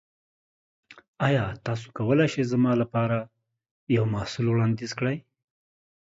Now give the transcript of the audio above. ایا تاسو کولی شئ زما لپاره یو محصول وړاندیز کړئ؟